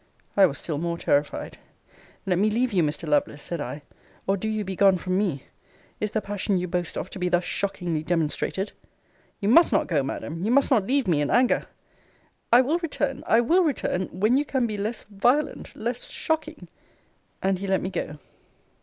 I was still more terrified let me leave you, Mr. Lovelace, said I; or do you be gone from me. Is the passion you boast of to be thus shockingly demonstrated? You must not go, Madam! You must not leave me in anger I will return I will return when you can be less violent less shocking. And he let me go.